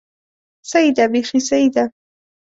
سيي ده، بېخي سيي ده!